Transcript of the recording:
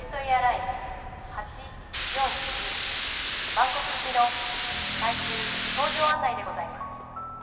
バンコク行きの最終搭乗案内でございます」